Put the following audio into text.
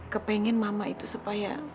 kepengen mama itu supaya